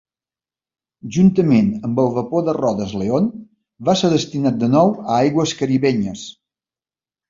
Juntament amb el vapor de rodes León, va ser destinat de nou a aigües caribenyes.